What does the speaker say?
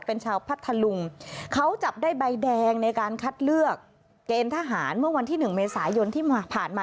เป็นชาวพัทธลุงเขาจับได้ใบแดงในการคัดเลือกเกณฑ์ทหารเมื่อวันที่หนึ่งเมษายนที่ผ่านมา